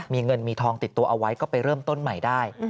มีเงินมีทองติดตัวเอาไว้ก็ไปเริ่มต้นใหม่ได้